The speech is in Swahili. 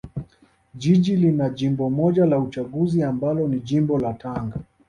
Jiji lina jimbo moja la uchaguzi ambalo ni jimbo la Tanga